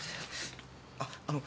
あっあの。